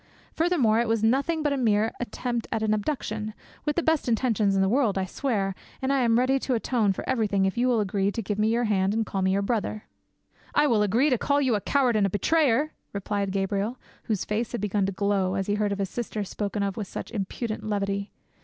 Furthermore, it was nothing but a mere attempt at an abduction, with the best intentions in the world, I swear, and I am ready to atone for everything if you will agree to give me your hand and call me your brother." "I will agree to call you a coward and a betrayer!" replied Gabriel, whose face had begun to glow, as he heard his sister spoken of with such impudent levity.